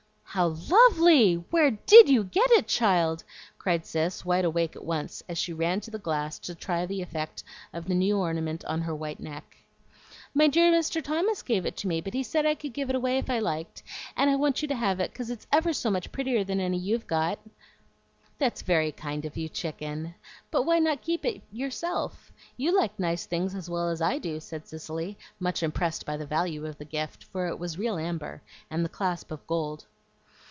"How lovely! Where DID you get it, child?" cried Cis, wide awake at once, as she ran to the glass to try the effect of the new ornament on her white neck. "My dear Mr. Thomas gave it to me; but he said I could give it away if I liked, and I want you to have it, 'cause it's ever so much prettier than any you've got." "That's very kind of you, Chicken, but why not keep it yourself? You like nice things as well as I do," said Cicely, much impressed by the value of the gift, for it was real amber, and the clasp of gold.